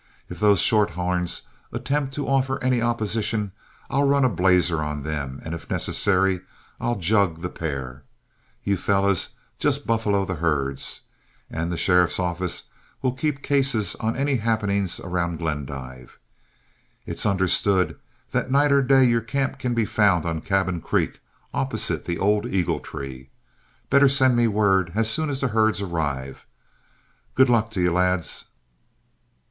If those shorthorns attempt to offer any opposition, I'll run a blazer on them, and if necessary I'll jug the pair. You fellows just buffalo the herds, and the sheriff's office will keep cases on any happenings around Glendive. It's understood that night or day your camp can be found on Cabin Creek, opposite the old eagle tree. Better send me word as soon as the herds arrive. Good luck to you, lads."